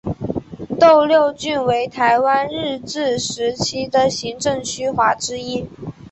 斗六郡为台湾日治时期的行政区划之一。